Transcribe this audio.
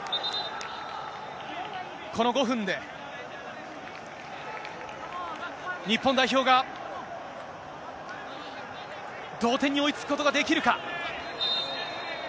この５分で、日本代表が同点に追いつくことができるか。